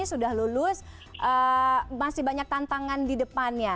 sudah lulus masih banyak tantangan di depannya